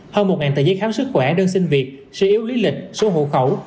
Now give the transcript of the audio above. hơn một tờ giấy khám sức khỏe đơn sinh việc sở yếu lý lịch số hộ khẩu